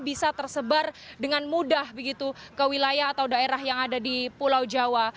bisa tersebar dengan mudah begitu ke wilayah atau daerah yang ada di pulau jawa